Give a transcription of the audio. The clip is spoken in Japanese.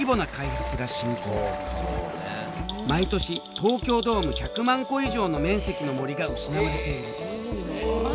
毎年東京ドーム１００万個以上の面積の森が失われている。